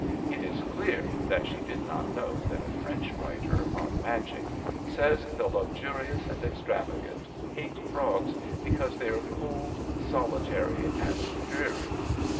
It is clear that she did not know that a French writer on magic says the luxurious and extrava gant hate frogs because they are cold, solitary, and dreary.